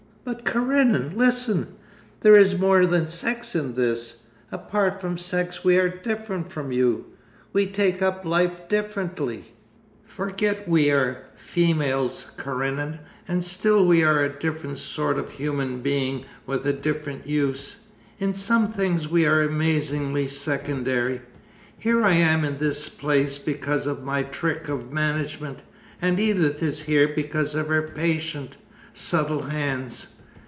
But, Karenin, listen! There is more than sex in this. Apart from sex we are different from you. We take up life differently. Forget we are—females, Karenin, and still we are a different sort of human being with a different use. In some things we are amazingly secondary. Here am I in this place because of my trick of management, and Edith is here because of her patient, subtle hands.